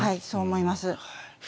そう思います。